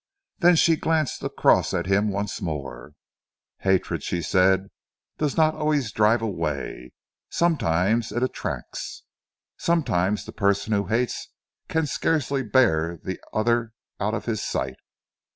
Then she glanced across at him once more. "Hatred," she said, "does not always drive away. Sometimes it attracts. Sometimes the person who hates can scarcely bear the other out of his sight.